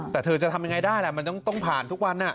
แต่เธอจะทำยังไงได้แหละมันต้องผ่านทุกวัน